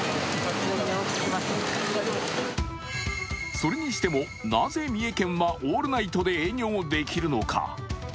それにしても、なぜ三重県はオールナイトで営業できるのか。